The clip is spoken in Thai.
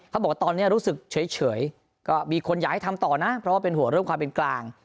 บอกว่าตอนนี้รู้สึกเฉยก็มีคนอยากให้ทำต่อนะเพราะว่าเป็นห่วงเรื่องความเป็นกลาง